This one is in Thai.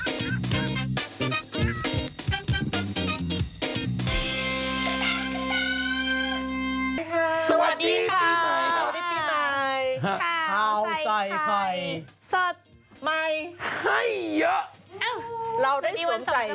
สวัสดีค่ะสวัสดีปีใหม่สวัสดีค่ะสวัสดีปีใหม่ข่าวใส่ไข่สดใหม่ให้เยอะ